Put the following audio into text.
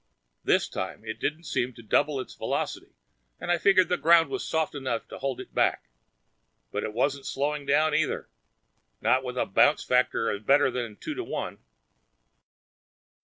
This time it didn't seem to double its velocity, and I figured the ground was soft enough to hold it back but it wasn't slowing down either, not with a bounce factor of better than two to one.